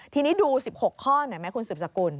ทีนี้ดู๑๖ข้อหน่อยไหมคุณสืบสกุล